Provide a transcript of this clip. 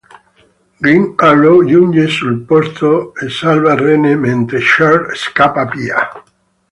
Green Arrow giunge sul posto e salva Rene mentre Church scappa via.